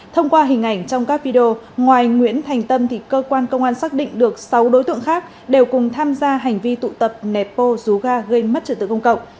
thông qua hình ảnh trong các video ngoài nguyễn thành tâm thì cơ quan công an xác định được sáu đối tượng khác đều cùng tham gia hành vi tụ tập nẹp bô rú ga gây mất trở tự công cộng